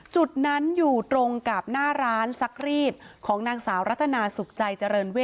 จุดนั้นอยู่ตรงกับหน้าร้านซักรีดของนางสาวรัตนาสุขใจเจริญเวท